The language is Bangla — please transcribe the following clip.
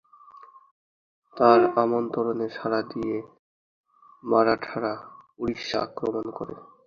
তার আমন্ত্রণে সাড়া দিয়ে মারাঠারা উড়িষ্যা আক্রমণ করে।